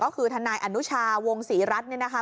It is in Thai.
ก็คือทนายอนุชาวงศรีรัฐเนี่ยนะคะ